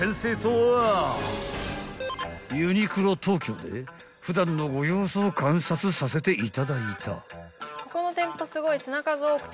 ［ユニクロＴＯＫＹＯで普段のご様子を観察させていただいた］